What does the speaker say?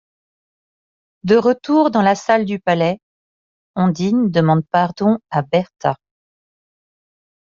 De retour dans la salle du palais, Ondine demande pardon à Bertha.